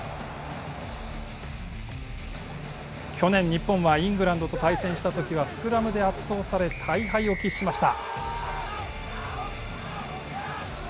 去年、日本はイングランドと対戦したときはスクラムで圧倒され、大敗を喫しました。